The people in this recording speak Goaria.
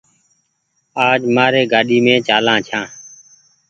آج مآر گآڏي مين چآلآن ڇآن۔